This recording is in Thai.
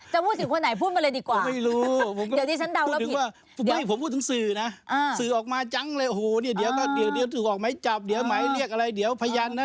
พูดถึงคนไหนพูดมาเลยดีกว่า